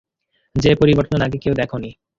যে পরিবর্তন আগে কেউ দেখনি।